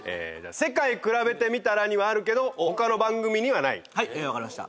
「世界くらべてみたら」にはあるけど他の番組にはないはい分かりました